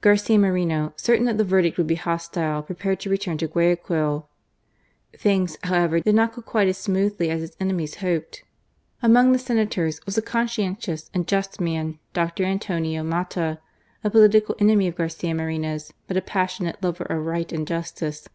Garcia Moreno, certain that the verdict would be hostile, prepared to return to Guayaquil. Things, however, did not go quite as smoothly as his enemies hoped. Among the Senators was a conscientious and just man, Dr. Antonio Mata, a political enemy of Garcia Moreno's, but a passionate lover of right and justice.